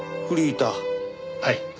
はい。